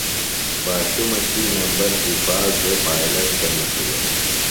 باشُمہ شُوئی نمبر کیۡ پاس بھےۡ پائلٹ سمِجِلوۡ۔